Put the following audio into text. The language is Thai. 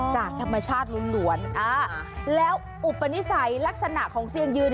จากธรรมชาติล้วนแล้วอุปนิสัยลักษณะของเซียนยืน